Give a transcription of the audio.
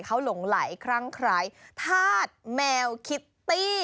เขาหลงไหลครั่งคล้ายธาตุแมวคิตตี้